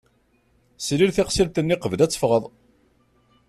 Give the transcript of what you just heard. Slil tiqseltin-nni qbel ad teffɣeḍ.